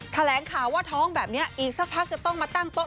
แถลงข่าวว่าท้องแบบนี้อีกสักพักจะต้องมาตั้งโต๊ะ